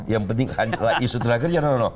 yang penting adalah isu terakhirnya